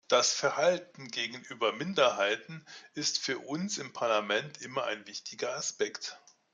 Das Verhalten gegenüber Minderheiten ist für uns im Parlament immer ein wichtiger Aspekt.